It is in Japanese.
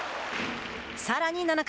さらに７回。